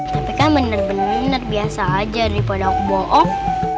tapi kan bener bener biasa aja daripada aku bohong